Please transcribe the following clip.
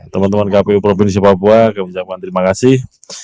teman teman kpu provinsi papua kami ucapkan terima kasih